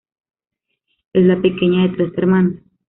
Es la pequeña de tres hermanos.